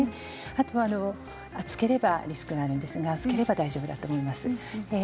あとは、厚ければリスクがありますが薄ければ大丈夫だと思います。